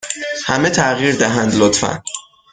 همه تغییر دهند، لطفا.